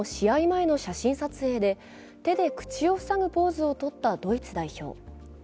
前の写真撮影で手で口を塞ぐポーズをとったドイツ代表。